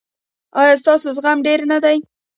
ایا ستاسو زغم ډیر نه دی؟